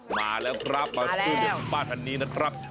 มาแล้วครับมาตื่นกับคุณป้าธีนี้นะครับมาแล้ว